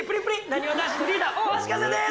なにわ男子のリーダー大橋和也です！